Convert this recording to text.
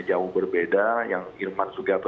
jauh berbeda yang irman sugiharto